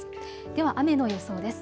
では雨の予想です。